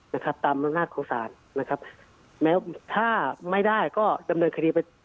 นะครับตามอำนาจของศาลนะครับแม้ถ้าไม่ได้ก็ดำเนินคดีไป